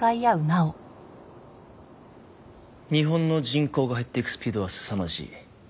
日本の人口が減っていくスピードはすさまじい。